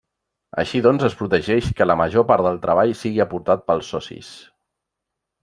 Així doncs es protegeix que la major part del treball sigui aportat pels socis.